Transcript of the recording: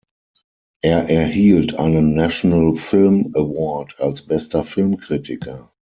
Er erhielt einen National Film Award als bester Filmkritiker.